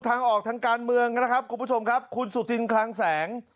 ทางออกทางการเมืองนะครับคุณผู้ชมครับคุณสุธินคลังแสง